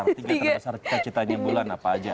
tiga terbesar cita citanya bulan apa aja